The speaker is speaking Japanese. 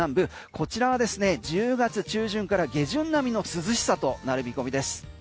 こちらはですね１０月中旬から下旬並みの涼しさとなる見込みです。